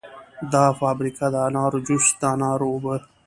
دا فابریکه د انارو جوس، د انارو اوبه